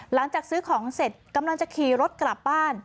หลังจากซื้อของเสร็จกำลังจะขี่รถกลับบ้าน